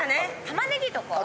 玉ねぎとか？